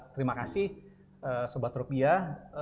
terima kasih buat rupiah